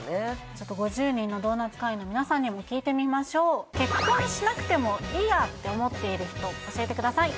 ちょっと５０人のドーナツ会員の皆さんにも聞いてみましょう結婚しなくてもいいやって思っている人教えてください